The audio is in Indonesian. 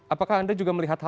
apakah anda juga melihat hal hal